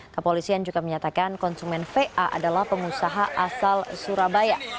kepolisian juga menyatakan konsumen va adalah pengusaha asal surabaya